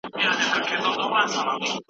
خلک باید د سبا له شکایته ونه وېرېږي.